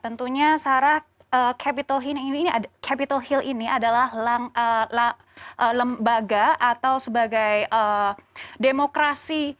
tentunya sarah capital hill ini adalah lembaga atau sebagai demokrasi